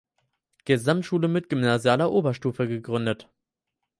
Gesamtschule mit gymnasialer Oberstufe gegründet.